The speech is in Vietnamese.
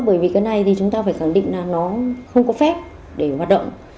bởi vì cái này thì chúng ta phải khẳng định là nó không có phép để hoạt động